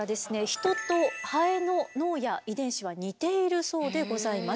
ヒトとハエの脳や遺伝子は似ているそうでございます。